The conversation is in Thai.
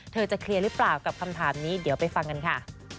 จะเคลียร์หรือเปล่ากับคำถามนี้เดี๋ยวไปฟังกันค่ะ